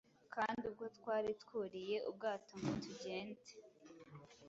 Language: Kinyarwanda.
kandi ubwo twari twuriye ubwato ngo tugende,